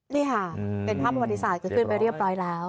นี่ค่ะเป็นภาพประวัติศาสตร์เกิดขึ้นไปเรียบร้อยแล้ว